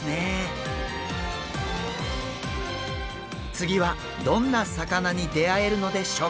次はどんな魚に出会えるのでしょうか？